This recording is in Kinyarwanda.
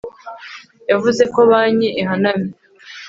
Yavuze ko banki ihanamye